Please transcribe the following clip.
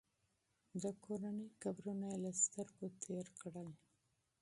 د کورنۍ قبرونه یې له سترګو تېر کړل.